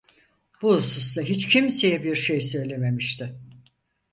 Bu hususta hiç kimseye bir şey söylememişti.